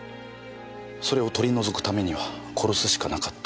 それを取り除くためには殺すしかなかった。